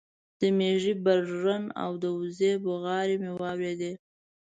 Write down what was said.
د مېږې برژن او د وزې بغارې مې واورېدې